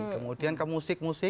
kemudian ke musik musik